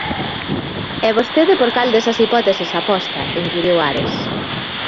E vostede por cal desas hipóteses aposta?, inquiriu Ares.